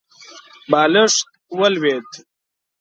بالښت ولوېد.